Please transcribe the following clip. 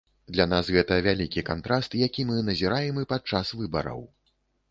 Для нас гэта вялікі кантраст, які мы назіраем і падчас выбараў.